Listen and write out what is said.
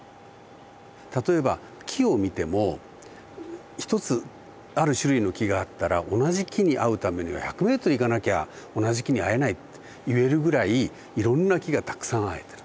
例えば木を見ても１つある種類の木があったら同じ木に会うためには１００ｍ行かなきゃ同じ木に会えないって言えるぐらいいろんな木がたくさん生えてる。